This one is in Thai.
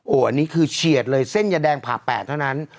อันนี้คือเฉียดเลยเส้นยาแดงผ่า๘เท่านั้น